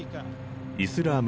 イスラーム